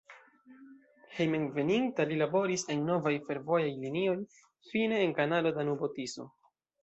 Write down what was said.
Hejmenveninta li laboris en novaj fervojaj linioj, fine en kanalo Danubo-Tiso.